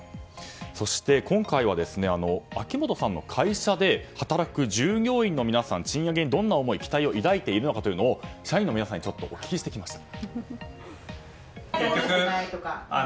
そして、今回は秋元さんの会社で働く従業員の皆さん賃上げにどんな思い期待を抱いているのかというのを社員の皆さんにお聞きしてきました。